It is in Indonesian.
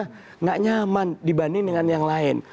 tidak nyaman dibanding dengan yang lain